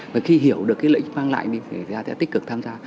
và khi hiểu được cái lợi ích mang lại thì nga sẽ tích cực tham gia